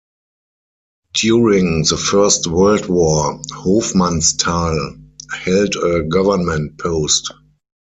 During the First World War Hofmannsthal held a government post.